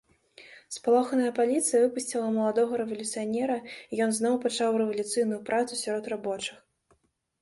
Спалоханая паліцыя выпусціла маладога рэвалюцыянера, і ён зноў пачаў рэвалюцыйную працу сярод рабочых.